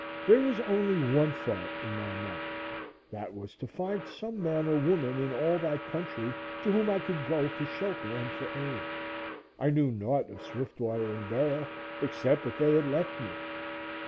There was only one thought in my mind that was to find some man or woman in all that country to whom I could go for shelter and for aid. I knew naught of Swiftwater and Bera, except that they had left me.